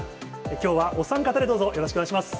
きょうはお三方でどうぞ、よろしお願いします。